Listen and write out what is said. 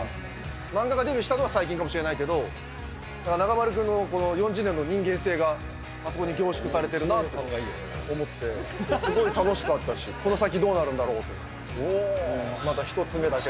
漫画家デビューしたのは最近かもしれないけど、中丸君のこの４０年の人間性が、あそこに凝縮されてるなと思って、すごい楽しかったし、この先どうなるんだろうと思ったし、また１つ目だから。